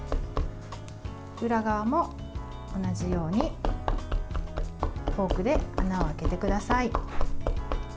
裏側も同じようにフォークで穴を開けてください。